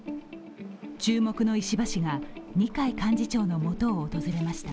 注目の石破氏が、二階幹事長のもとを訪れました。